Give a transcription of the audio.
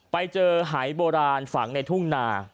ไปเจอหายโบราณฝังในทุ่งนา